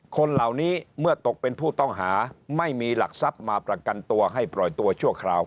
คนเหล่านี้เมื่อตกเป็นผู้ต้องหาไม่มีหลักทรัพย์มาประกันตัวให้ปล่อยตัวชั่วคราว